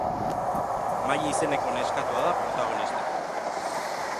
Maddi izeneko neskatoa da protagonista.